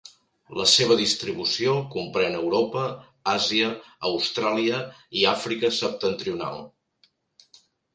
La seva distribució comprèn Europa, Àsia, Austràlia i Àfrica Septentrional.